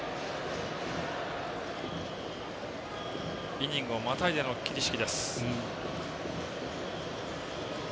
イニングをまたいでの桐敷。